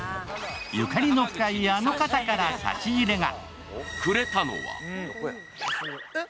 ゆかりの深いあの方から差し入れが。